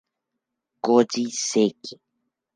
Koji Seki